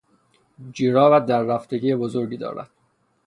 جورابت دررفتگی بزرگی دارد.